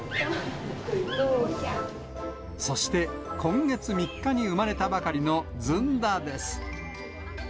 そして、今月３日に生まれたばかりのずんだです。